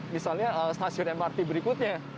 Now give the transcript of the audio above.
misalnya stasiun mrt berikutnya